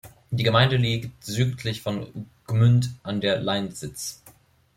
Die Gemeinde liegt südlich von Gmünd an der Lainsitz.